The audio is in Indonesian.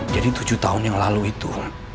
jadi tujuh tahun yang lalu itu